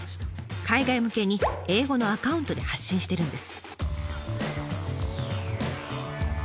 海外向けに英語のアカウントで発信してるんです。